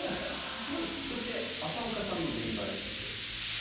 そして浅丘さんの現場エピソードです。